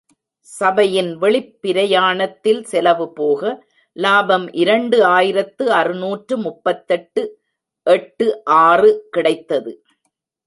சபையின் வெளிப் பிரயாணத்தில் செலவு போக, லாபம் இரண்டு ஆயிரத்து அறுநூற்று முப்பத்தெட்டு எட்டு ஆறு கிடைத்தது.